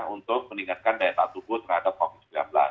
untuk meningkatkan daya tahan tubuh terhadap covid sembilan belas